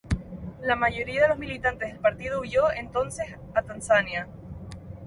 La mayoría de los militantes del partido huyo, entonces, a Tanzania.